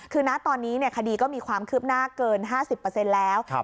คือนะตอนนี้เนี่ยคดีก็มีความคืบหน้าเกินห้าสิบเปอร์เซ็นต์แล้วครับ